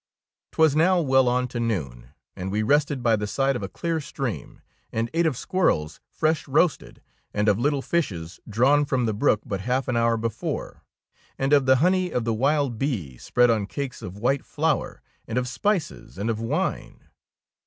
'T was now well on to noon, and we rested by the side of a clear stream, and ate of squirrels fresh roasted, and of little fishes drawn from the brook but half an hour before, and of the honey of the wild bee spread on cakes of white fiour, and of spices and of wine.